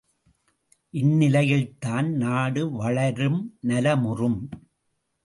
இந்த நிலையில்தான் நாடு வளரும் நலமுறும்.